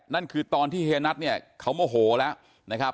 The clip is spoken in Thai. นั่นคือตอนที่เฮนัทเขาโมโหแล้ว